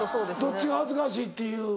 どっちが恥ずかしいっていう。